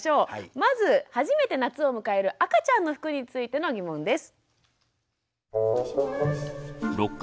まず初めて夏を迎える赤ちゃんの服についての疑問です。